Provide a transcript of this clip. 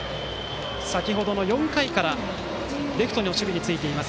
先程の４回からレフトの守備についています